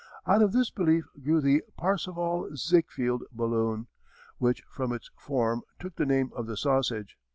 Out of this belief grew the Parseval Siegfeld balloon which from its form took the name of the Sausage.